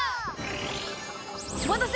おまたせ！